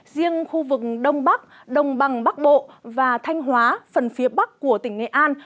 riêng khu vực đông bắc đồng bằng bắc bộ và thanh hóa phần phía bắc của tỉnh nghệ an